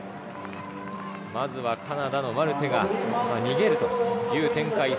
まずはカナダのマルテが逃げるという展開。